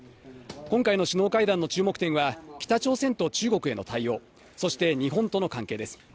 今回の首脳会談の注目点は、北朝鮮と中国への対応、そして日本との関係です。